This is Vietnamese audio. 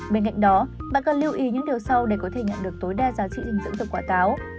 bên cạnh đó bạn cần lưu ý những điều sau để có thể nhận được tối đa giá trị dinh dưỡng của quả táo